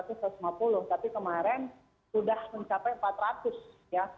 tapi kemarin sudah mencapai empat ratus ya